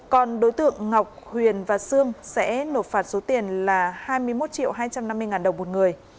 còn đối tượng ngọc huyền và sương sẽ nộp phạt số tiền là hai mươi một hai trăm năm mươi đồng một người